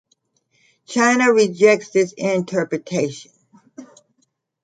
China rejects this interpretation.